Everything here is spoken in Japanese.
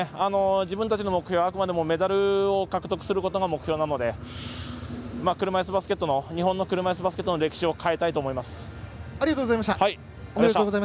自分たちの目標はあくまでもメダルを獲得することが目標なので車いすバスケットの日本の車いすバスケットの歴史をかえたいと思います。